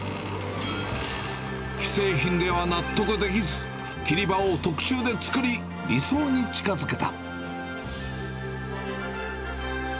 既製品では納得できず、切り刃を特注で作り、理想に近づけた。